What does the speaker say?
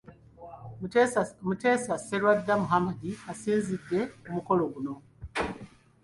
Muteesa Sserwadda Muhammad asinzidde ku mukolo guno.